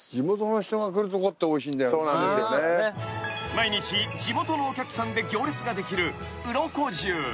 ［毎日地元のお客さんで行列ができるウロコジュウ］